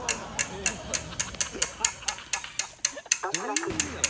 どういう意味なの？